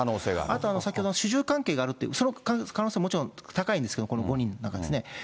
あと、先ほど主従関係があると、その可能性、もちろん高いんですけど、この５人の中ですね。